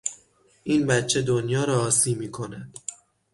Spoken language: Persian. این بچه دنیا را عاصی میکند!